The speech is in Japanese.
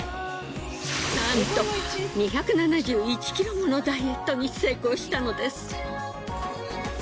なんと２７１ｋｇものダイエットに成功したのです。